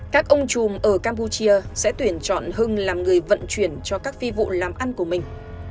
các ông chùm ở campuchia sẽ tuyển chọn hưng làm người vận chuyển cho các phi vụ làm ăn của mình